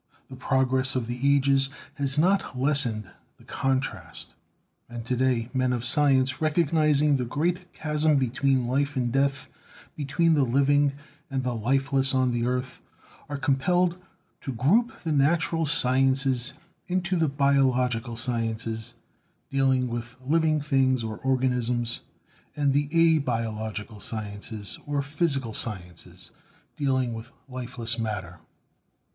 The progress of the ages has not lessened the contrast; and to day, men of science, recognising the great chasm between life and death, be tween the living and the lifeless on the earth, are com pelled to group the natural sciences into the Biological Sciences dealing with living things or organisms; and the Abiological Sciences, or Physical Sciences, dealing with lifeless matter.